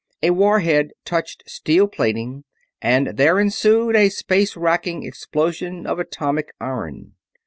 A war head touched steel plating and there ensued a space wracking explosion of atomic iron.